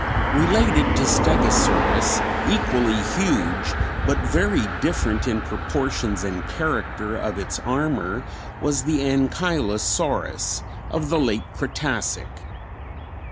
Related to Stegosaurus, equally huge, but very different in proportions and character of its armor was the Ankylosaurus of the late Cretacic.